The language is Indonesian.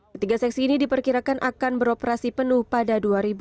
ketiga seksi ini diperkirakan akan beroperasi penuh pada dua ribu dua puluh